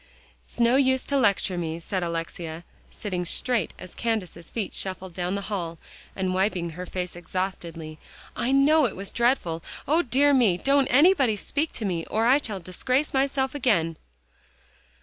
"It's no use to lecture me," said Alexia, sitting straight as Candace's feet shuffled down the hall, and wiping her face exhaustedly. "I know it was dreadful O dear me! Don't anybody speak to me, or I shall disgrace myself again!"